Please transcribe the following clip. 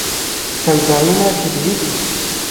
څړځایونه طبیعي دي.